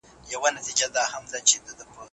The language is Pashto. مثبت خلګ مو ژوند بدلوي.